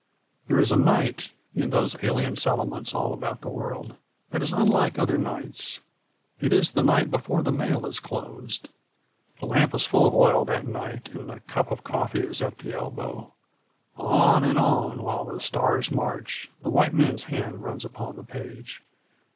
There is a night, in those alien settlements all about the world, that is unlike other nights. It is the night before the mail is closed. The lamp is full of oil that night, and the cup of coffee is at the elbow. On and on, while the stars march, the white man's hand runs upon the page.